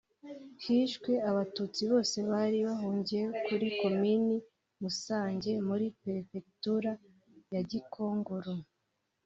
Hishwe Abatutsi bose bari bahungiye kuri Komini Musange muri Perefegitura ya Gikongoro